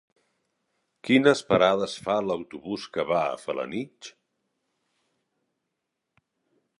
Quines parades fa l'autobús que va a Felanitx?